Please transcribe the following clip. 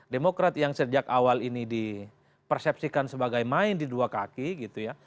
demokrat yang sejak awal ini dipersepsikan sebagai main di dua kaki gitu ya